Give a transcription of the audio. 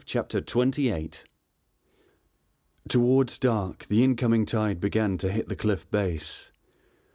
CHAPTER XXVIII NIGHT Towards dark the incoming tide began to hit the cliff base.